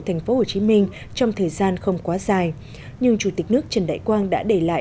thành phố hồ chí minh trong thời gian không quá dài nhưng chủ tịch nước trần đại quang đã để lại